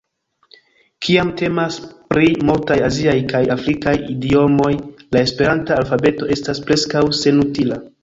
Kiam temas pri multaj aziaj kaj afrikaj idiomoj la esperanta alfabeto estas preskaŭ senutila.